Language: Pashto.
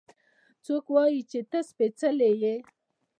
څوک وايي چې ته سپېڅلې يې؟